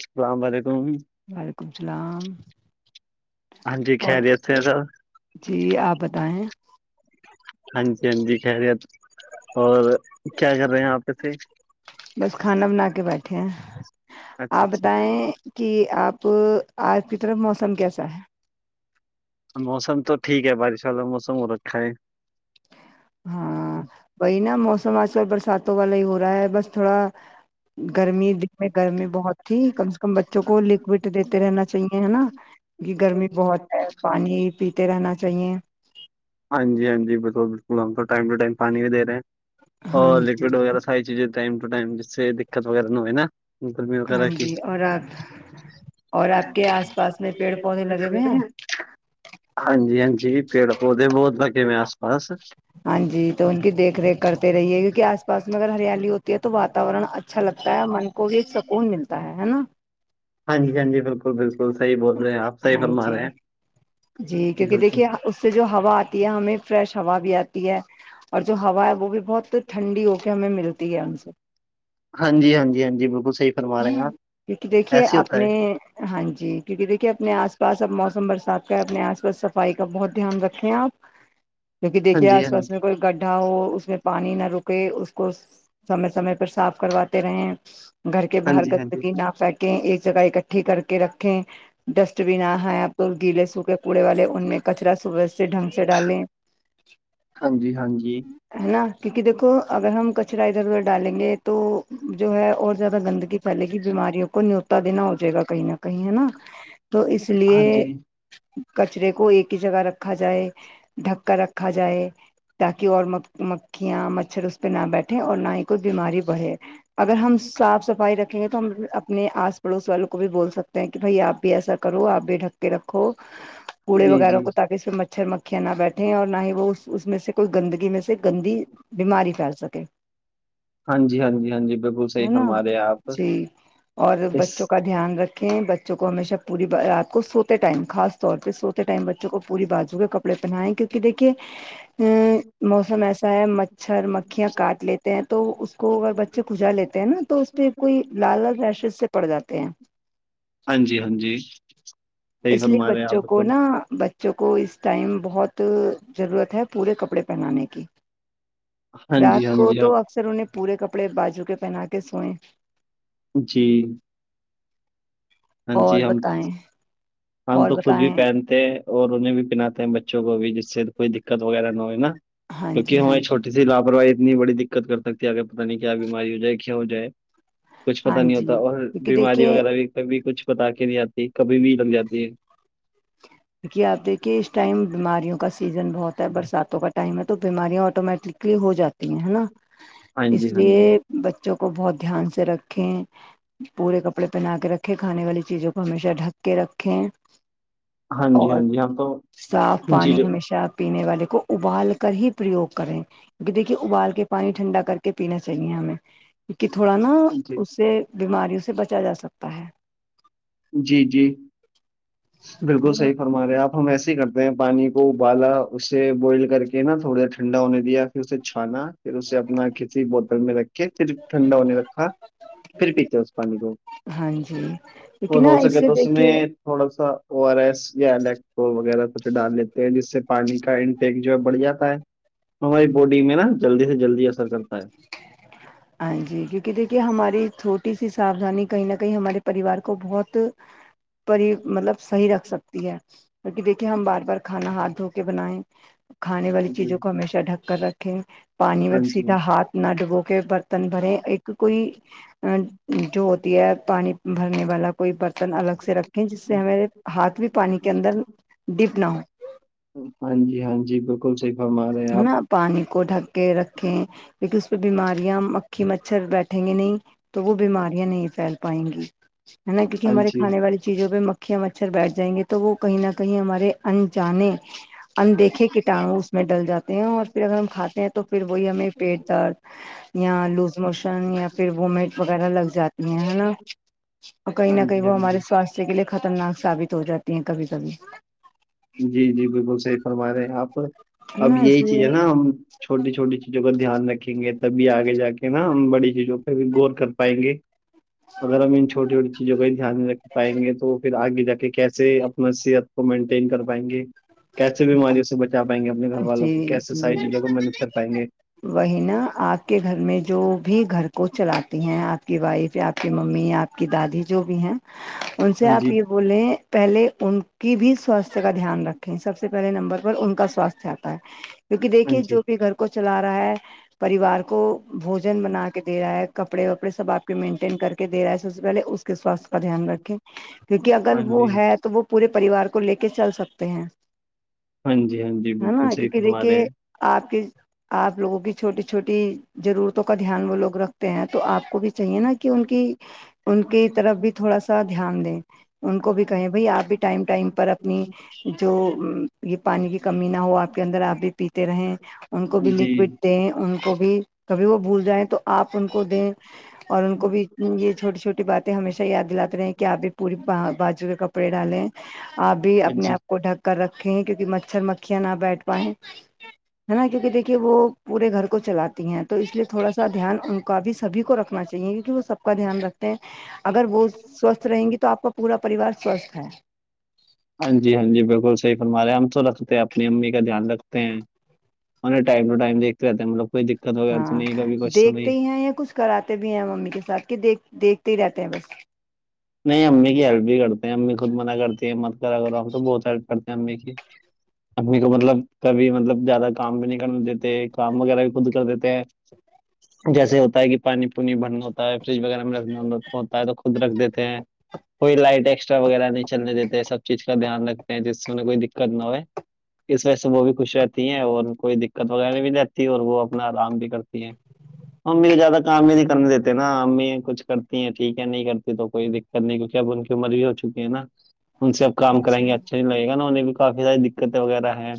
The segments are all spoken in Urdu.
السلام علیکم وعلیکم السلام ہاں جی اور خیریت سے ہے سب جی آپ بتائیں ہاں جی ہاں جی خیریت اور کیا کر رہے ہیں آپ ویسے بس کھانا بنا کے بیٹھے ہیں اچھا آپ بتائیں کہ آپ آپ کی طرف موسم کیسا ہے موسم تو ٹھیک ہے بارش والا موسم ہو رکھا ہے ہاں وہی نا موسم آج کل برساتوں والا ہی ہو رہا ہے بس تھوڑا گرمی دن میں گرمی بہت تھی کم سے کم بچوں کو لکوڈ دیتے رہنا چاہیے ہے نا کی کہ گرمی بہت ہے پانی پیتے رہنا چاہیے ہاں جی ہاں جی بالکل بالکل ہم ٹائم ٹو ٹائم پانی بھی دے رہے ہیں ہاں اور جی لکوڈ وغیرہ ساری چیزیں ٹائم ٹو ٹائم جس سے دقت وغیرہ نہ ہوئے نا گرمی ہاں وغیرہ کی جی اور آپ اور آپ کے آس پاس میں پیڑ پودے لگے ہوئے ہیں [inaudible] ہاں جی ہاں جی پیڑ پودے بہت لگے ہوئےہیں آس پاس ہاں جی تو ان کی دیکھ ریکھ کرتے رہیے کیونکہ آس پاس میں اگر ہریالی ہوتی ہے تو واتاورن اچھا اچھا لگتا ہے من کو بھی ایک سکون ملتا ہے ہے نا ہاں جی ہاں جی بالکل بالکل صحیح بول رہے ہیں آپ صحیح ہاں فرما جی رہے ہیں جی کیونکہ بالکل دیکھیے اس سے جو ہوا آتی ہے ہمیں فریش ہوا بھی آتی ہے اور جو ہوا ہے وہ بھی بہت ٹھنڈی ہو کے ہمیں ملتی ہے ہم سے ہاں جی ہاں جی ہاں جی بالکل صحیح فرما رہے ہیں آپ کیونک دیکھیے ایسے ہی آپ ہوتا ہے نے ہاں جی کیونکہ دیکھیے اپنے آس پاس اب موسم برسات اپنے آس پاس صفائی کا بہت دھیان رکھیں آپ کیونکہ ہاں دیکھیے جی آس ہاں پاس میں کوئی گڈھا ہو اس میں پانی نہ رکے اس کو سمے سمے پر صاف کرواتے رہے گھر کے باہر جی ہاں جی گندگی نہ پھیک ایک جگہ اکھٹی کر کے رکھیں ڈسٹبن نہ ہے [unintelligible] گیل چھوٹے کوڑے والے ان میں کچرا صبح سے ڈھنگ سے ڈالیں ہاں جی ہاں جی ہاں جی ہے نا کیونکہ دیکھو اگر ہم کچرا ادھر ادھر ڈالیں گے تو جو ہے اور زیادہ گندگی پھیلے گی بیماریوں کو نیوتا دینا ہو جائے گا کہیں نہ کہیں ہے نا تو اسی لئیے ہاں جی کچرے کو ایک ہی جگہ رکھا جائے ڈھک کر رکھا جائے تاکہ اور مکھیاں مچھر اس پہ نہ بیٹھے اور نہ ہی کوئی بیماری بڑھے اگر ہم صاف صفائی رکھ یہ تو ہم اپنے آس پڑوس والوں کو بھی بول سکتے ہیں کہ بھائی آپ بھی ایسا کرو آپ بھی ڈھک کے رکھو ہو کوڑے جی وغیرہ جی کو تاکہ اسے مچھر مکھی مکھی نہ بیٹھیں اور نہ ہی وہ اس اس میں سے کوئی گندگی میں سے گندی بیماری پھیل سکے ہاں جی ہاں جی ہاں جی بالکل صحیح ہے نا فرما رہے ہیں آپ جی اور اس بچوں کا دھیان رکھیں بچوں کو ہمیشہ پوری بہ رات کو سوتے ٹائم خاص طور پہ سوتے ٹائم بچوں کو پوری بازو کے کپڑے کپڑے پہنا ئے کیونکی دیکھیے ہمم موسم ایسا ہے مچھر مکھیاں کاٹ لیتے ہیں تو اس کو اگر بچے کو کھوجا لیتے ہیں نا تو اس پہ کوئی لال لال ریشز سے پڑ جاتے ہیں ہاں جی ہاں جی صحیح اس لیے فرما رہے ہیں آپ بچوں کو بالکل نا بچوں کو اس ٹائم بہت ضرورت ہے پورے کپڑے پہنانے کی ہاں جی رات ہاں کو جی ہاں تو اکثر انہیں پورے کپڑے باجو کے پہنا کے سوئے جی ہاں اور جی ہم بتائیں ہم اور تو خود بھی بتائیں پہن تے ہے اور انہیں بھی پہناتے ہیں بچوں کو بھی جس سے کوئی دقت وغیرہ نہ ہوئے نا ہاں کیو نکہ جی ہاں ہماری جی چھوٹی سی لاپرواہی اتنی بڑی دقت کر سکتی ہے آگے پتا نہیں کیا بیماری ہو جائے کیا ہو جائے کیوں ہو جائے کچھ ہاں پتا نہیں جی ہوتا اور کیونکہ بیماری دیکھیے وغیرہ بھی کبھی کچھ بتا کے نہیں آتی کبھی بھی لگ جاتی ہے کیونکہ آپ دیکھیے اس ٹائم بیماریوں کا سیزن بہت ہے برساتوں کا ٹائم ہے تو بیماریاں آٹومیٹکلی ہو جاتی تی ہے نا ہاں اس جی ہاں لیے جی بچوں کو بہت دھیان سے رکھیں پورے کپڑے پہنا کے رکھے کھانے والی چیزوں کو ہمیشہ ڈھک کے رکھیں ہاں جی ہاں اور جی ہم تو صاف جی پانی جو ہمیشہ پینے والے کو ابال کر ہی پرریوگ کریں کیونکہ دیکھیے ابال کے پانی ٹھنڈا کر کے پینا چاہیے ہمیں کیو نکہ تھوڑا نا جی اس سے بیماریوں سے بچا جا سکتا ہے جی جی بالکل صحیح فرما رہے آپ ہم ایسے ہی کرتے میں پانی کو ابالا اسے بوائل کر کے نا تھوڑا سا ٹھنڈا ہونے دیا پھر اسے چھانا پھر اسے اپنا کسی بوتل میں رکھ کے پھر ٹھنڈا ہونے رکھا پھر پیتے اس پانی کو ہاں جی لیکن اور نا ہو سکے اسے تو اس میں دیکھے تھوڑا سا او آر ایس یا الیکٹول وغیرہ کچھ ڈال لیتے تے جس سے پانی کا انٹیک جو ہے بڑھ جاتا ہے ہماری باڈی میں نا جلدی سے جلدی اثر کرتا ہے ہاں جی کیونکہ دیکھیے ہماری چھوٹی سی ساودھانی کہیں نہ کہیں ہمارے پریوار کو بہت پر ہی مطلب صحیح رکھ سکتی ہے کیو نکہ دیکھیے ہم بار بار کھانا ہاتھ دھو کے بنائیں کھانے والی جی چیزوں کو ہمیشہ ڈھک کر رکھیں پانی میں ہاں سی جی ہاتھ نہ ڈبو کے برتن بھرے ایک کوئی جو ہوتی ہے پانی بھرنے والا کوئی برتن الگ سے رکھیں جس سے ہمیرے ہاتھ بھی پانی کے اندر ڈپ نہ ہو ہاں جی ہاں جی بالکل صحیح فرما رہے ہیں ہے آپ نا پانی کو ڈھک کے رکھیں کیونکہ اس پہ بیماریاں مکھی مچھر بیٹھیں گے نہیں تو وہ بیماریاں نہیں پھیل پائیں گی ہے نا کیونکہ ہاں ہمارے جی کھانے والی چیزوں پہ مکھیاں مچھر بیٹھ جائیں گے تو وہ کہیں نہ کہیں ہمارے انجانے اندیکھے کیٹانو اس میں ڈل جاتے ہیں اور پھر اگر ہم کھاتے ہیں تو پھر وہی ہمیں پیٹ درد یا لوز موشن یا پھر وومٹ وغیرہ لگ جاتی ہیں نا اور کہیں ہاں نہ کہیں جی ہاں وہ ہمارے جی سوستھ کے لیے خطرناک ثابت ہو جاتی ہیں کبھی کبھی جی جی بالکل صحیح فرما رہے ہیں آپ ہے اب نا اس یہی چیز لیے ہے نا ہم چھوٹی چھوٹی چیزوں کا دھیان رکھیں گے تبھی آگے جاکے نا ہم بڑی چیزوں پہ بھی غور کر پائیں گے اگر ہم ان چھوٹی چھوٹی چیزوں کا ہی دھیان نہیں رکھ پائیں گے تو پھر آگے جا کے کیسے اپنا صحت کو مینٹین کر پائیں گے کیسے بیماریوں سے بچا پائیں گے اپنے گھر والوں جی کو کیسے ساری جی چیزوں کو مینج کر پائیں گے وہی نا آپ کے گھر میں جو بھی گھر کو چلاتی ہیں آپ کی وائف یا آپ کی ممی یا آپ کی دادی جو بھی ہیں ان سے ہاں آپ جی یہ بولیں پہلے ان کی بھی سوستھ کا دھیان رکھیں سب سے پہلے نمبر پر ان کا سوستھ چاہتا ہے کیونکہ ہاں دیکھیے جو جی بھی گھر کو چلا رہا ہے پریوار کو بھوجن بنا کے کے دے رہا ہے کپڑے وپڑے سب آپ مینٹین کر کے دے رہ ہے سب سے پہے اس کے سواستھ کا دھیان رکھے کیونکہ اگر ہاں وہ جی ہے تو وہ پورے پریوار کو لے کے چل سکتے ہیں ہاں جی ہاں جی ہے نا بالکل صحیح کیونکہ فرما دیکھیے رہے ہیں آپ کی آپ لوگوں کی چھوٹی چھوٹی ضرورتوں کا دھیان وہ لوگ رکھتے ہیں تو آپ کو بھی چاہیے نا کہ ان کی ان کی طرف بھی تھوڑا سا دھیان دیں ان کو بھی کہیں بھائی آپ بھی ٹائم ٹائم پر اپنی جو یہ پانی کی کمی نہ وہ آپ کے اندر آپ بھی پیتے رہیں ان کو بھی جی لکوڈ دیں ان کو بھی کبھی وہ بھول جائیں تو آپ ان کو دیں اور ان کو بھی یہ چھوٹی چھوٹی باتیں ہمیشہ یاد دلاتے ہیں کہ آپ بھی پوری بجو کا کپڑے ڈالیں آپ بھی ہاں اپنے جی آپ کو ڈھک کر رکھے کیوںکہ مچھر م کیا نہ بیٹھ پائے ہے نا کیونکہ دیکھیے وہ پورے گھر کو چلاتی ہیں تو اس لیے تھوڑا سا دھیان ان کا بھی سبھی کو رکھنا چاہیے کیونکہ وہ سب کا دھیان رکھ اگر وہ سوستھ رہیں گی تو آپ کا پورا پریوار سوستھ ہے ہاں جی ہاں جی بالکل صحیح فرمارے ہم تو رکھتے ہیں اپنی امی کا دھیان رکھتے ہیں ٹائم ٹو ٹائم دیکھتے رہتے ہیں انکو کوئی دقت وغیر تو ہاں نہیں کبھی کچھ تو نہیں دیکھتے ہی ہیں یا کچھ کراتے بھی ہیں ممی کے ساتھ کہ دیک دیکھتے ہی رہتے ہیں بس نہیں امی کی ہیلپ بھی کرتے ہیں امی خود منع کرتی ہے مت کرا کرو ہم تو بہت ہیلپ کرتے ہیں امی کی امی کو مطلب کبھی مطلب زیادہ کام بھی نہیں کر دیتے کام وغیرہ بھی خود کر دیتے ہیں [unintelligible] جیسے ہوتا ہے کہ پانی پوانی بھرنا ہوتا ہے فریج وغیرہ میں رکھنا ہوتا ہے تو خود رکھ دیتا تے ہے کوئی لائٹ ایکسٹرا وغیرہ نہیں چلنے دیتے سب چیز کا دھیان رکھتے ہیں جس سےہیں کوئی دقت نہ ہوئے اس وجہ سے وہ بھی خوش رہتی ہیں اور کوئی دقت وغیرہ نہیں بھی رہتی ہے اور وہ اپنا آرام بھی کرتی ہیں امی کو زیادہ کام ہی نہیں کرنے دیتے نا امی کچھ کرتی ہیں ٹھیک ہے نہیں کرتی تو کوئی دقت نہیں کیونکہ اب ان کی عمر بھی ہو چکی ہے نا ان سے اب کام کرائیں گے اچھا نہیں لگے گا نا انہیں بھی کافی ساری دقتیں وغیرہ ہیں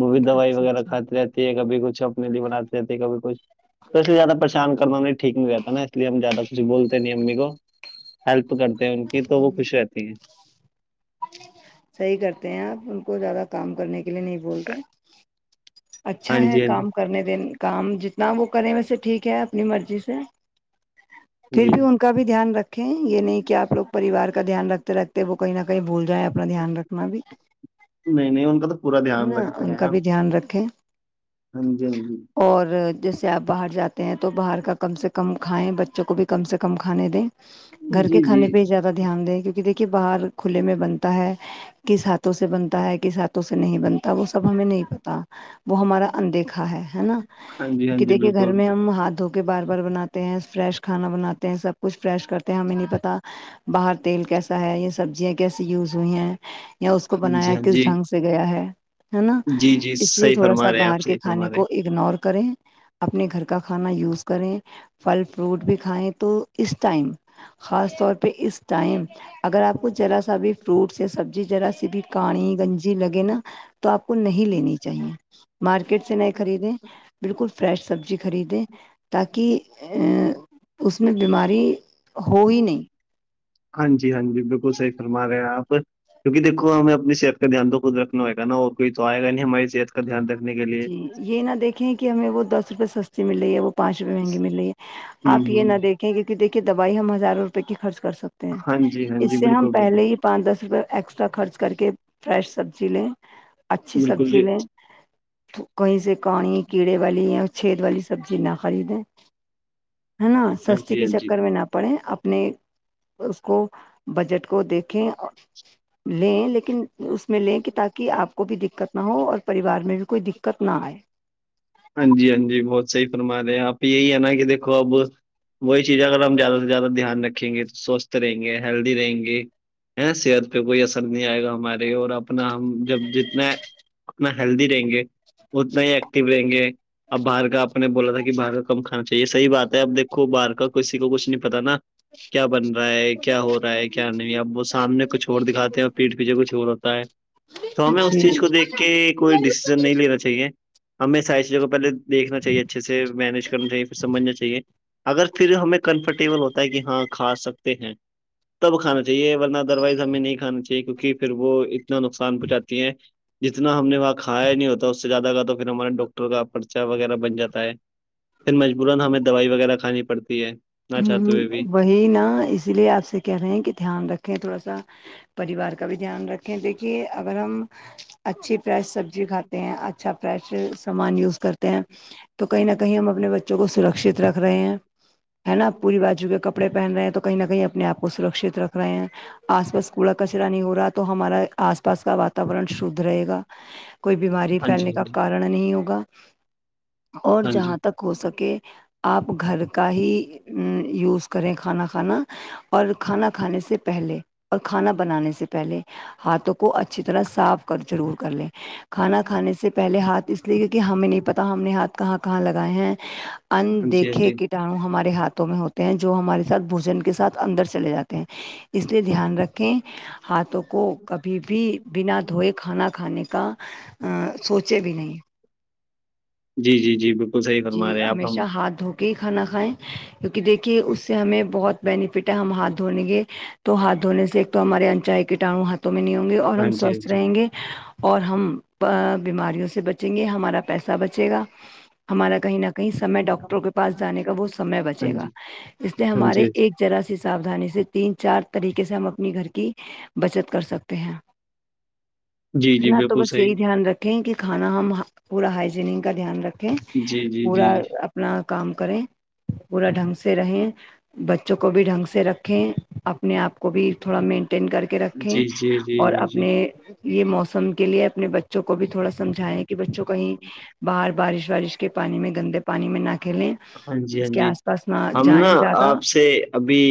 وہ بھی دوائی اچھا وغیرہ اچھا کھاتے رہتے کبھی کچھ اپنے لیے بناتی رہتے ہیں کبھی کچھ تو اس لیے زیادہ شان کرنا نہیں ٹھیک نہیں رہتا نا اس لیے ہم زیادہ کچھ بولتے نہیں امی کو ہیلپ کرتے ہیں ان کی تو وہ خوش رہتی ہیں صحیح کرتے ہیں آپ ان کو زیادہ کام کرنے کے لیے نہیں بولتے اچھا ہاں ہے جی ہاں جی کام کرنے دیں کام جتنا وہ کریں ویسے ٹھیک ہے اپنی مرضی سے ٹھیک جی ہے کا بھی دھیان رکھیں یہ نہیں کہ آپ لوگ پریوار کا دھیان رکھتے رکھتے وہ کہیں نہ کہیں بھول جائیں اپنا دھیان رکھنا بھی نہیں نہیں ان کا تو پورا ہے دھیان نا رکھتے ان کا ہیں بھی دھیان رکھیں ہاں جی ہاں جی اور جیسے آپ باہر جاتے ہیں تو باہر کا کم سے کم کھائیں بچوں کو بھی کم سے کم کھانے دیں گھر کے جی جی کھانے پہ ہی زیادہ دھیان دیں کیونکہ دیک کہ باہر کھلے میں بنتا ہے کس ہاتھوں سے بنتا ہے کس ہاتھوں سے نہیں بنتا وہ سب ہمیں نہیں پتہ وہ ہمارا اندیکھا ہے ہے نا ہاں جی ہاں کہ جی دیکھیے گھر بالکل میں ہم ہاتھ دھو کے بار بار بناتے ہیں فریش کھانا بناتے ہیں سب کچھ فریش کرتے ہیں ہمیں نہیں پتہ باہر تیل کیسا ہے یا سبزیاں کیسی یوز ہوئی ہیں یا اس کو ہاں بنایا جی ہاں کس جی ڈھنگ سے گیا ہے ہے نا جی جی اس لیے صحیح تھوڑا سا فرما رہے ہیں آپ باہر کے صحیح کھانے فرما رہے کو ہیں اگنور کریں اپنے گھر کا کھانا یوز کریں پھل فروٹ بھی کھائیں تو اس ٹائم خاص طور پہ اس ٹائم اگر آپ کو ذرا سا بھی فروٹس یا سبزی ذرا سی بھی کاڑی گنج جی لگے نا تو آپ کو نہیں لینی چاہیے مارکیٹ سے ن خریدیں بالکل فریش سبزی خریدیں تاکہ ا اس میں بیماری ہو ہی نہیں ہاں جی ہاں جی بالکل صحیح فرما رہے ہو آپ کیونکہ دیکو ہمیں اپنی صحت کا دھیان تو خود رکھنا ہوگا نا اور کوئی تو آئے گا نہیں ہماری صحت کا دھیان رکھنے کے لیے جی یہ نہ دیکھیں کہ ہمیں وہ دس روپے سستی مل رہی ہے وہ پانچ روپے مہنگی مل رہی ہے ہوں آپ یہ نہ ہوں دیکھ کیونکہ دیکھیے دوائی ہم ہزار روپے کی خرچ کر سکتے ہیں ہاں جی ہاں اس جی سے ہم بالکل بالکل پہلے ہی پانچ دس روپے ایکسٹرا خرچ کر کے فریش سبزی لیں اچھی بالکل سبزی جی لیں کہیں سے کاڑیں کیڑے والی ہے یا چھید والی سبزی نہ خریدیں ہے نا ہاں سستی جی کے ہاں جی چکر میں نہ پڑے اپنے اس کو بجٹ کو دیکھیں لیں لیکن اس میں لیں کہ تاکہ کہ آپ کو بھی دقت نہ ہو اور پریوار میں بھی کوئی دقت نہ آئے ہاں جی ہاں جی بہت صحیح فرما رہے ہیں آپ یہی ہے نا کہ دیکھو اب وہی چیزیں اگر ہم زیادہ سے زیادہ دھیان رکھیں گے تو سوستھ رہیں گے ہیلدی رہیں گے ہے صحت پہ کوئی اثر نہیں آئے گا ہمارے اور اپنا ہم جب جتنے اتنا ہیلدی رہیں گے اتنا ہی ایکٹیو رہیں گے اب باہر کا آپ نے بولا تھا کہ باہر کا کم کھانا چاہیے صحیح بات ہے اب دیکھو باہر کا کسی کو کچھ نہیں پتا نا کیا بن رہا ہے کیا ہو رہا ہے کیا نہیں اب وہ سامنے کچھ اور دکھاتے ہیں اور پیٹھ پیچھے کچھ اور ہوتا ہے تو ہمیں اس چیز جی کو دیکھ کے کوئی ڈسیزن نہیں لینا چاہیے ہمیں ساری چیزوں کو پہلے دیکھنا چاہیے اچھےسے مینج کرنا چاہیے پھر سمجھنا چاہیے اگر پھر ہمیں کمفرٹیبل ہوتا ہے کہ ہاں کھا سکتے ہیں تب کھانا چاہیے ورنہ ادر وائز ہمیں نہیں کھانا چاہیے کیونکہ پھر وہ اتنا نقصان پہنچاتی ہیں جتنا ہم نے وہاں کھایا نہیں ہوتا اس سے زیادہ کا تو پھر ہمارے ڈاکٹر کا خرچہ وغیرہ بن جاتا ہے پھر مجبورا ہمیں دوائی وغیرہ کھانی پڑتی ہے نہ چاہتے ہوئے بھی وہی نا اس لیے آپ سے کہہ رہے ہیں کہ دھیان رکھیں تھوڑا سا پریوار کا بھی دھیان رکھیں دیکھیے اگر ہم اچھی فریش سبزی کھاتے ہیں اچھا فریش سامان یوز کرتے ہیں تو کہیں نہ کہیں ہم اپنے بچوں کو سرکشت رکھ رہے ہیں ہے نا پوری بجو کے کپڑے پہن رہے ہیں تو کہیں نہ کہیں اپنے آپ کو سرکھشتھ رکھ رہے ہیں آس پاس کوڑا کچرا نہیں ہو رہا تو ہمارا آس پاس کا واتورن شدھ رہے گا کوئی بیماری ہاں پھیلنے جی کا کارن نہیں ہوگا اور ہاں جی جہاں تک ہو سکے آپ گھر کا ہی یوز کریں کھانا کھانا اور کھانا کھانے سے پہلے اور کھانا بنانے سے پہلے ہاتھ دھو کو اچھی طرح صاف کر ضرور کر لیں کھانا کھانے سے پہلے ہاتھ اس لیے کہ ہمیں نہیں پتا ہمنیں ہاتھ کہاں کہاں لگائے ہیں ان ہاں جی ہاں دیکھے جی کیٹانو ہمارے ہاتھوں میں ہوتے ہیں جو ہمارے ساتھ بھوجن کے ساتھ اندر چلے جاتے ہیں اس لیے دھیان رکھیں ہاتھوں کو کبھی بھی بنا دھوئے کھانا کھانے کا سوچے بھی نہیں جی جی جی بالکل صحیح فرما رہے ہیں آپ ہم کہ کھانا کھائیں کیونکہ دیکھیے اس سے ہمیں بہت بینیفٹ ہے ہم ہاتھ دھونے کے تو ہاتھ دھونے سے ایک تو ہمارے انچائی کٹانوں ہاتھوں میں نہیں ہوں گے اور ہاں ہم جی ہاں سوستھ جی رہیں گے اور ہم بیماریوں سے بچیں گے ہمارا پیسہ بچے گا ہمارا کہیں نہ کہیں سمے ڈاکٹروں کے پاس جانے کا وہ سمے ہاں بچے گا جی اس لیے ہاں ہمارے جی ایک ذرا سی ساودھانی سے تین چار طریقے سے ہم اپنی گھر کی بچت کر سکتے ہیں جی جی نہ تو بالکل بس یہی صحیح دھیان رکھ کہ کھانا ہم پورا ہجینک کا دھیان رکھیں جی جی پورا جی اب جی اپنا کام کریں پورا ڈھنگ سے رہیں بچوں کو بھی ڈھنگ سے رکھیں اپنے آپ کو بھی تھوڑا مینٹین کر کے رکھیں جی جی اور جی جی اپنے یہ موسم کے لیے اپنے بچوں کو بھی تھوڑا سمجھائے کہ بچوں کہیں باہر بارش وارش کے پانی میں گندے پانی میں نہ کھیلیں ہاں جی اس ہاں کے جی آس پاس نہ ہم جائیں نا زیادہ آپ سے ابھی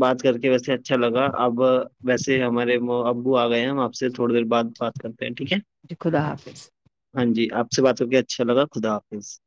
بات کر کے ویسے اچھا لگا اب ویسے ہمارے وہ ابو آ گئے ہیں ہم آپ سے تھوڑی دیر بعد میں بات کرتے ہیں ٹھیک ہے جی خدا حافظ ہاں جی آپ سے بات کر کے اچھا لگا خدا حافظ